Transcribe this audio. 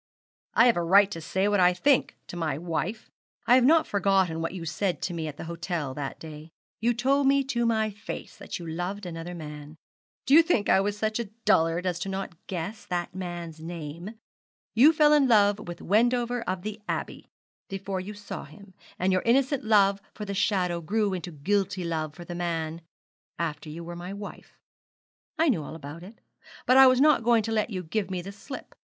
'I have a right to say what I think to my wife. I have not forgotten what you said to me at the hotel that day. You told me to my face that you loved another man. Do you think I was such a dullard as not to guess that man's name? You fell in love with Wendover of the Abbey, before you saw him; and your innocent love for the shadow grew into guilty love for the man, after you were my wife. I knew all about it; but I was not going to let you give me the slip.